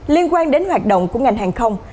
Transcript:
liên quan đến hoạt động của ngành hàng không